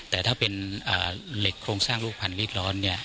แต่ถ้าเป็นเหล็กโครงสร้างลูกพันธ์รีดร้อน